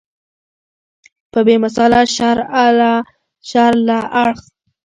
په بې مثاله شر له اړخه.